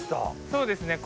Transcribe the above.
そうですね。